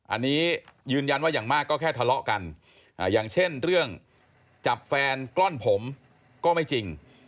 อันนี้ยืนยันว่าอย่างมากก็แค่ทะเลาะกันอย่างเช่นเรื่องจับแฟนกล้อนผมก็ไม่จริง